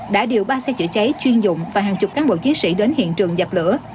đã điều ba xe chữa cháy chuyên dụng và hàng chục cán bộ chiến sĩ đến hiện trường dập lửa